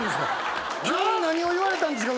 何を言われたんですか！？